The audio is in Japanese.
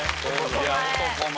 いや男前。